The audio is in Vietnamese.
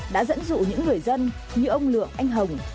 đã dẫn dụ những người dân như ông lượng anh hùng